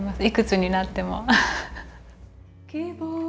いくつになっても。